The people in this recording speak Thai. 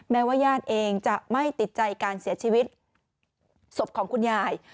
แม้ว่าญาติเองจะไม่ติดใจการเสียชีวิตศพของคุณยาย